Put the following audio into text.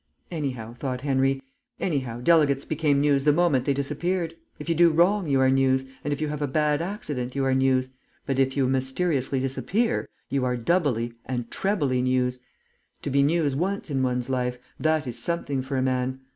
Anyhow, thought Henry, anyhow delegates became News the moment they disappeared. If you do wrong you are News, and if you have a bad accident, you are News, but if you mysteriously disappear, you are doubly and trebly News. To be News once in one's life that is something for a man.